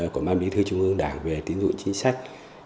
của ban bí thư trung ương đảng về tín dụng chính sách